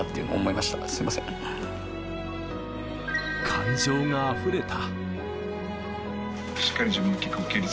感情があふれた。